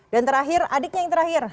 dan terakhir adiknya yang terakhir